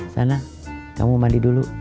sana kamu mandi dulu